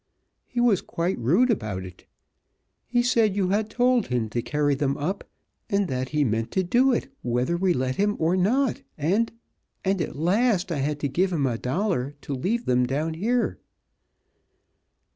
He was quite rude about it. He said you had told him to carry them up and that he meant to do it whether we let him or not, and and at last I had to give him a dollar to leave them down here."